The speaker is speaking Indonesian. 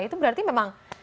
itu berarti memang